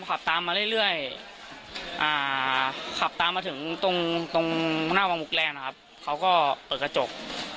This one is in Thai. อ่า่าขาบตามมาถึงตรงหน้าพื้นมุกแรกนะหลังไปเปิดกระจก